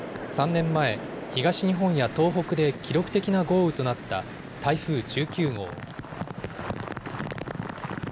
３年前、東日本や東北で記録的な豪雨となった台風１９号。